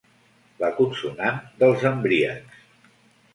La consonant dels embriacs.